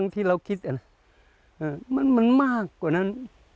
ที่เราคิดนะน่ะมันมันมากกว่านั้น